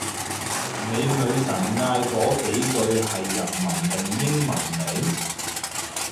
你女神嗌嗰幾句係日文定英文嚟？